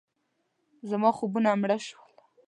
زما خوبونه مړه شول.